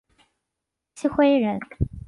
郗恢人。